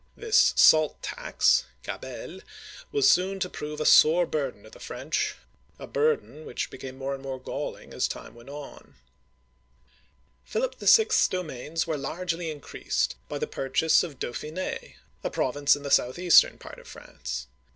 This salt tax (gabelle) was soon to prove a sore burden to the French, a burden which became more and more galling as time went on. Philip VI.'s domains were largely increased by the pur uigiTizea Dy vjiOOQlC 154 OLD FRANCE chase of Dauphin6 (do fee na'), a province in the south eastern part of France.